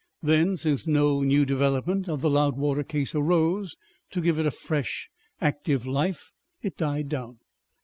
Then, since no new development of the Loudwater case arose to give it a fresh, active life, it died down.